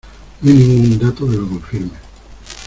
No hay ningún dato que lo confirme.